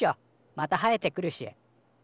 また生えてくるし。